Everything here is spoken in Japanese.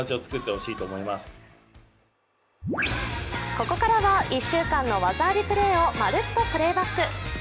ここからは一週間の技ありプレーを「まるっと！Ｐｌａｙｂａｃｋ」。